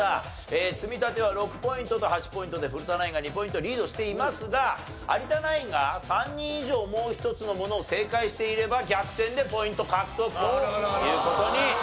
積み立ては６ポイントと８ポイントで古田ナインが２ポイントリードしていますが有田ナインが３人以上もう一つのものを正解していれば逆転でポイント獲得という事になります。